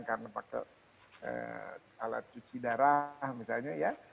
karena pakai alat cuci darah misalnya ya